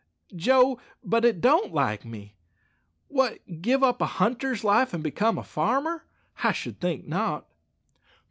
Joe, but it don't like me! What, give up a hunter's life and become a farmer? I should think not!"